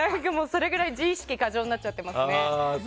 それぐらい自意識過剰になってますね。